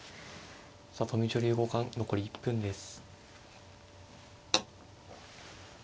里見女流五冠残り１分です。